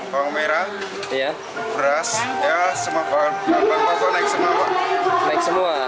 bawang merah beras semua bapak naik semua pak